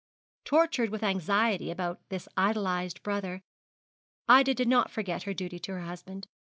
Tortured with anxiety about this idolised brother, Ida did not forget her duty to her husband.